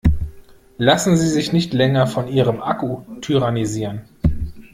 Lassen Sie sich nicht länger von ihrem Akku tyrannisieren!